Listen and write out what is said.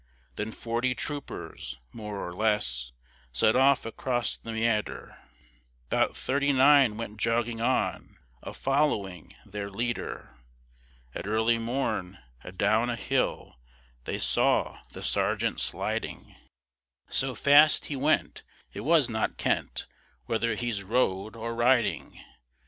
Then forty troopers, more or less, Set off across the meader; 'Bout thirty nine went jogging on A following their leader. At early morn, adown a hill, They saw the sergeant sliding; So fast he went, it was not ken't Whether he's rode, or riding.